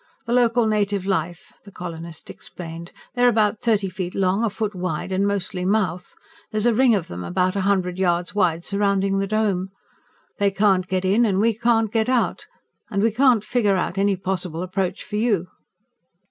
"The local native life," the colonist explained. "They're about thirty feet long, a foot wide, and mostly mouth. There's a ring of them about a hundred yards wide surrounding the Dome. They can't get in and we can't get out and we can't figure out any possible approach for you."